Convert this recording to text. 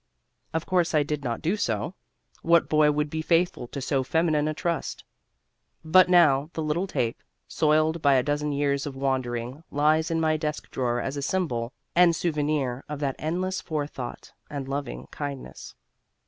Of course I did not do so; what boy would be faithful to so feminine a trust? But now the little tape, soiled by a dozen years of wandering, lies in my desk drawer as a symbol and souvenir of that endless forethought and loving kindness.